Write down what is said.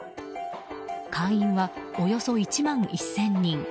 会員はおよそ１万１０００人。